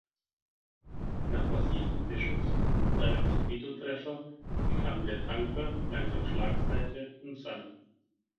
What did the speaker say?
Nach massivem Beschuss und einem Torpedotreffer bekam der Tanker langsam Schlagseite und sank.